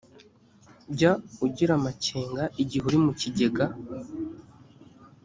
jya ugira amakenga igihe uri mu kigega